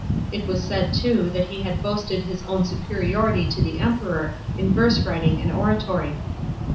It was said too, that he had boasted his own superiority to the Emperor in verse writing and oratory.